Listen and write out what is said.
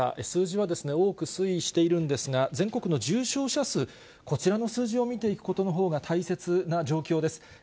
数字は多く推移しているんですが、全国の重症者数、こちらの数字を見ていくことのほうが大切な状況です。